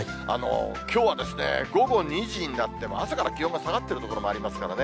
きょうはですね、午後２時になっても、朝から気温が下がっている所もありますからね。